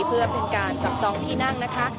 เพื่อเป็นการจับจองที่นั่งนะคะ